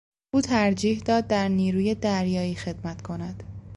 او ترجیح داد در نیروی دریایی خدمت کند.